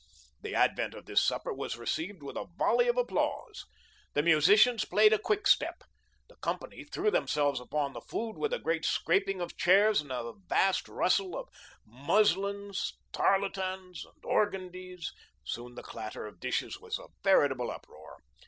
The advent of this supper was received with a volley of applause. The musicians played a quick step. The company threw themselves upon the food with a great scraping of chairs and a vast rustle of muslins, tarletans, and organdies; soon the clatter of dishes was a veritable uproar.